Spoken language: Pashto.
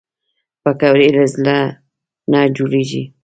پکورې له زړه نه جوړېږي